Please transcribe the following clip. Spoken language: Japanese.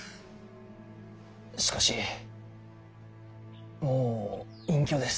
しかしもう隠居です。